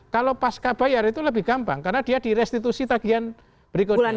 kalau pas kabayar itu lebih gampang karena dia di restitusi tagian berikutnya